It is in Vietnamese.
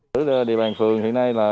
từ địa bàn phường hiện nay